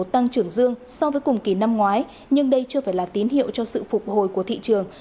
tăng trưởng dương so với cùng kỳ năm ngoái nhưng đây chưa phải là tín hiệu cho sự phục hồi của thị trường